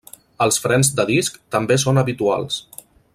Els frens de disc també són habituals.